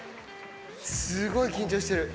すごい緊張してる。